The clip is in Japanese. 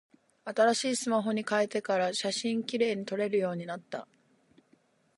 新しいスマホに変えてから、写真綺麗に撮れるようになった。